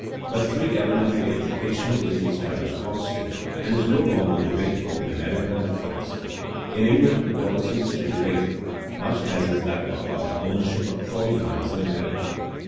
But free elementary education is the established policy, and is no longer debatable in America and France. In England the policy is still debated, much as is that of public ownership of trolley lines in America.